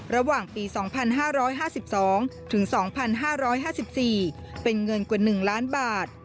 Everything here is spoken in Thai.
ระหว่างปี๒๕๕๒ถึง๒๕๕๔เป็นเงินกว่า๑ล้านบาท